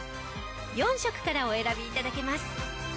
４色からお選び頂けます。